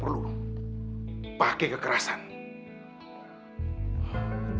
punya aku kraning